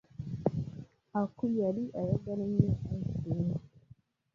Aku yali ayagala nnyo ice cream.